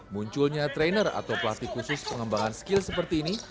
munculnya trainer atau pelatih khusus pengembangan skill seperti ini